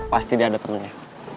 pasti dia ada temennya